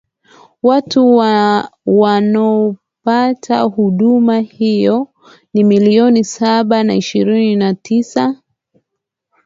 watu wanopata huduma hiyo ni milioni saba na ishirini na tisa